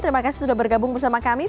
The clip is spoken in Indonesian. terima kasih sudah bergabung bersama kami